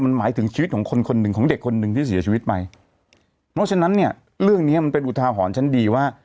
มันหมายถึงชีวิตของคนคนหนึ่งของเด็กคนหนึ่งที่เสียชีวิตไปเพราะฉะนั้นเนี่ยเรื่องเนี้ยมันเป็นอุทาหรณ์ชั้นดีว่า